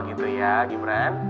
gitu ya ibran